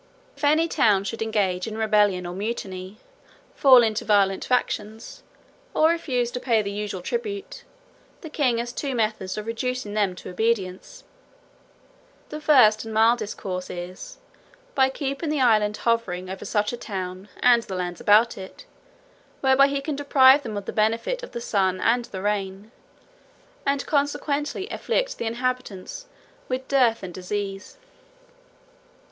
If any town should engage in rebellion or mutiny, fall into violent factions, or refuse to pay the usual tribute, the king has two methods of reducing them to obedience. The first and the mildest course is, by keeping the island hovering over such a town, and the lands about it, whereby he can deprive them of the benefit of the sun and the rain, and consequently afflict the inhabitants with dearth and diseases.